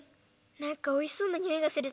なんかおいしそうなにおいがするぞ。